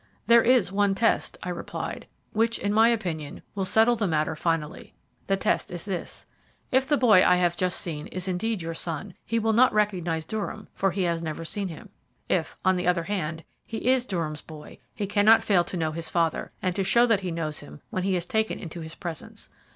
"There is one test," I replied, "which, in my opinion, will settle the matter finally. The test is this. If the boy I have just seen is indeed your son, he will not recognize Durham, for he has never seen him. If, on the other hand, he is Durham's boy, he cannot fail to know his father, and to show that he knows him when he is taken into his presence.